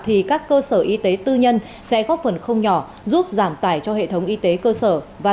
thì các cơ sở y tế tư nhân sẽ góp phần không nhỏ giúp giảm tải cho hệ thống y tế cơ sở và